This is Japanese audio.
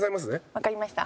わかりました。